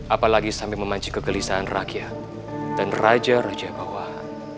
apalagi sampai memanci kegelisahan rakyat dan raja raja bawah